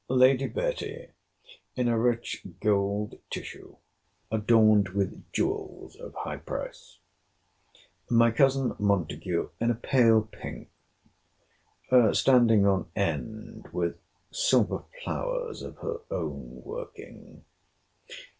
Lady Betty in a rich gold tissue, adorned with jewels of high price. My cousin Montague in a pale pink, standing on end with silver flowers of her own working.